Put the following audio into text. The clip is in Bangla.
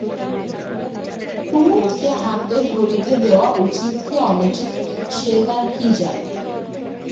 কুমুদকে হাত ধরিতে দেওয়া উচিত কি অনুচিত সে তার কী জানে।